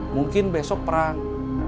mungkin besok perang